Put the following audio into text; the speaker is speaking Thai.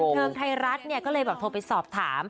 เทิงไทยรัฐเนี่ยก็เลยแบบโทรไปสอบถาม